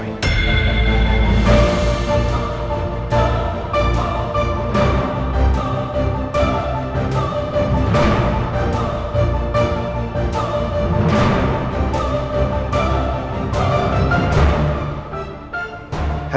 handphone ini miliknya ketri